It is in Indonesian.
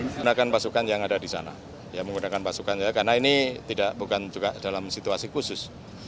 menggunakan pasukan yang ada di sana karena ini bukan dalam situasi khusus